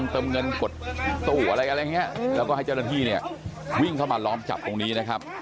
เติมเงินกดตู้อะไรอะไรอย่างนี้แล้วก็ให้เจ้าหน้าที่เนี่ยวิ่งเข้ามาล้อมจับตรงนี้นะครับ